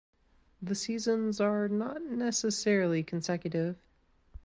The seasons are not necessarily consecutive.